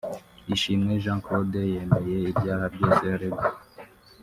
Ishimwe Jean Claude yemeye ibyaha byose aregwa